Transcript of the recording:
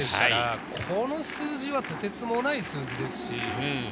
これはとてつもない数字です。